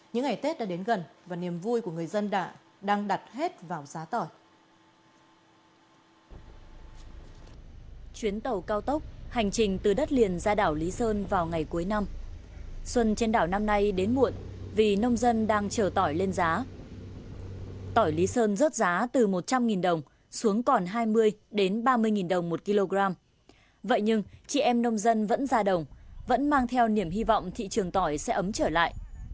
những ngày tết đã đến gần và niềm vui của người dân đảo đang đặt hết vào giá tỏi